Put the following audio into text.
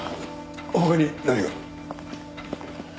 他に何が？